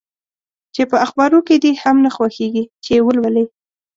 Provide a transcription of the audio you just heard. چي په اخبارو کي دي هم نه خوښیږي چي یې ولولې؟